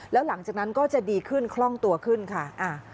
แล้วหลังจากนั้นก็จะดีขึ้นคล่องตัวขึ้นค่ะ